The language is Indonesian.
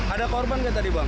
ada korban nggak tadi bang